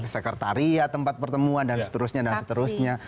sekretariat tempat pertemuan dan seterusnya dan seterusnya